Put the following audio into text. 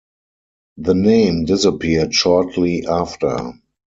The name disappeared shortly after.